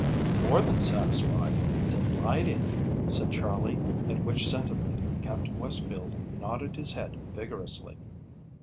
"More than satisfied delighted," said Charley, at which sentiment Captain Westfield nodded his head vigorously.